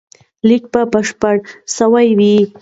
لیک به بشپړ سوی وي.